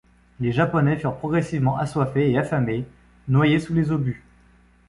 Les Japonais furent progressivement assoiffés et affamés, noyés sous les obus.